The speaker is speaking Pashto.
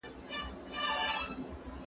زه به زدکړه کړې وي!.